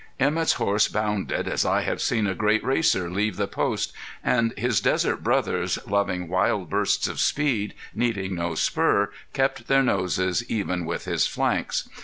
Emett's horse bounded as I have seen a great racer leave the post, and his desert brothers, loving wild bursts of speed, needing no spur, kept their noses even with his flanks.